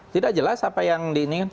tidak jelas apa yang diinginkan